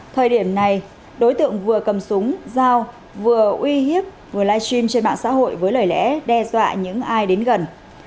thời điểm này đối tượng vừa cầm súng dao vừa uy hiếp vừa live stream trên mạng xã hội với lời lẽ đe dọa những ai đến gần